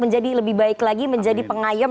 menjadi lebih baik lagi menjadi pengayom